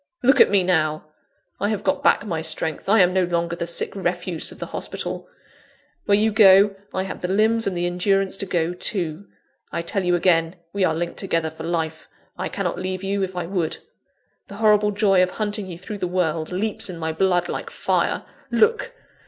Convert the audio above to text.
Look at me now! I have got back my strength; I am no longer the sick refuse of the hospital. Where you go, I have the limbs and the endurance to go too! I tell you again, we are linked together for life; I cannot leave you if I would. The horrible joy of hunting you through the world, leaps in my blood like fire! Look!